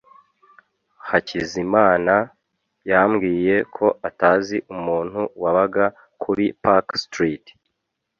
Hakizamana yambwiye ko atazi umuntu wabaga kuri Park Street.